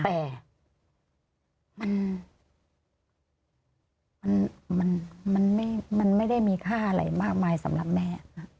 แต่มันไม่ได้มีค่าอะไรมากมายสำหรับแม่